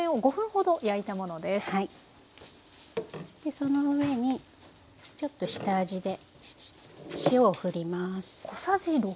その上にちょっと下味で塩を振ります。